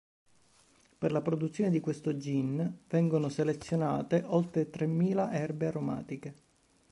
Per la produzione di questo gin vengono selezionate oltre tremila erbe aromatiche.